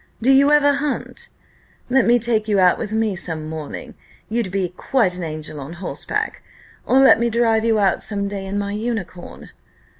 Do you ever hunt? Let me take you out with me some morning you'd be quite an angel on horseback; or let me drive you out some day in my unicorn."